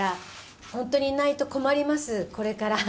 「本当にいないと困りますこれから」